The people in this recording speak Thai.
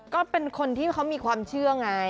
ก็เป็นคนที่เขามีความเชื่อไง